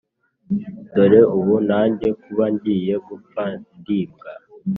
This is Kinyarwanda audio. dore ubu nanjye kuba ngiye gupfa ndimbwa